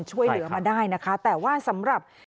ช่วยเหลือมาได้นะคะแต่ว่าสำหรับ